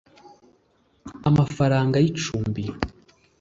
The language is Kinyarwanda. Amafaranga y icumbi